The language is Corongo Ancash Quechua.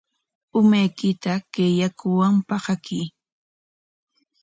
Umaykita kay yakuwan paqakuy.